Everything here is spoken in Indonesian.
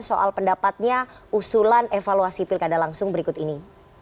soal pendapatnya usulan evaluasi pilkada langsung berikut ini